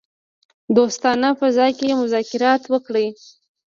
دوستانه فضا کې مذاکرات وکړي.